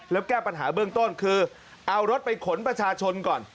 แล้วแก้ปัญหาเบื้องต้นคือเอารถไปขนประชาชนก่อน